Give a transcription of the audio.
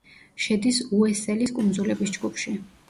შედის უესელის კუნძულების ჯგუფში.